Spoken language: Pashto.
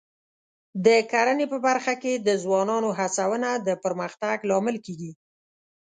د کرنې په برخه کې د ځوانانو هڅونه د پرمختګ لامل کېږي.